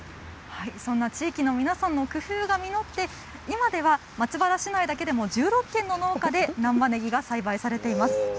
そんな地域の皆さんの工夫が実って今では松原市内だけでも１６軒の農家で難波ねぎが栽培されています。